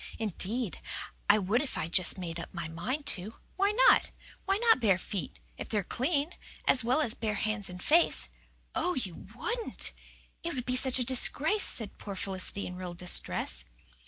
"Indeed, I would if I just made up my mind to. Why not? Why not bare feet if they're clean as well as bare hands and face?" "Oh, you wouldn't! It would be such a disgrace!" said poor Felicity in real distress.